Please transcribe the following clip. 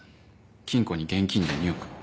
金庫に現金で２億。